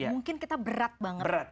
mungkin kita berat banget